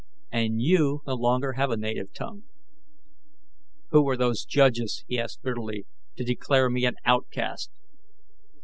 And you no longer have a native tongue." "Who were those judges," he asked bitterly, "to declare me an outcast?"